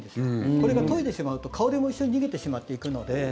これが研いでしまうと香りも一緒に逃げてしまっていくので。